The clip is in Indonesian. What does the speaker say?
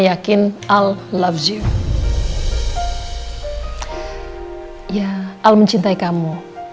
ya al mencintai kamu